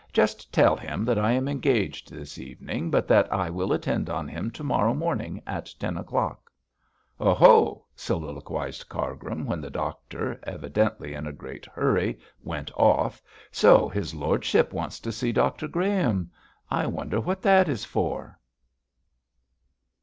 Just tell him that I am engaged this evening, but that I will attend on him to morrow morning at ten o'clock.' 'Oh! ho!' soliloquised Cargrim, when the doctor, evidently in a great hurry, went off, 'so his lordship wants to see Dr Graham. I wonder what that is for?'